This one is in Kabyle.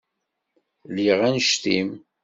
Lliɣ annect-im.